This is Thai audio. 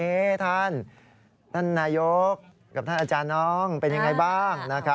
เอ๊ท่านนายกกับท่านอาจารย์น้องเป็นยังไงบ้างนะครับ